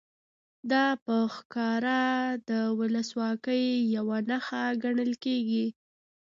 دا په ښکاره د ولسواکۍ یوه نښه ګڼل کېږي.